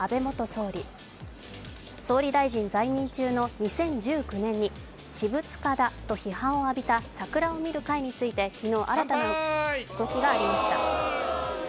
総理大臣在任中の２０１９年に私物化だと批判を浴びた桜を見る会について昨日、新たな動きがありました。